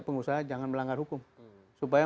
pengusaha jangan melanggar hukum supaya